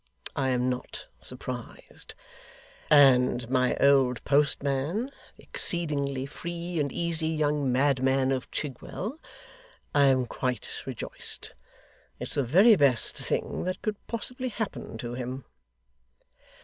I am not surprised. And my old postman, the exceedingly free and easy young madman of Chigwell! I am quite rejoiced. It's the very best thing that could possibly happen to him.